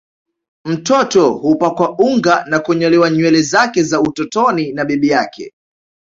Mtoto hupakwa unga na kunyolewa nywele zake za utotoni na bibi yake